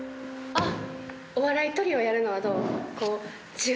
あっ。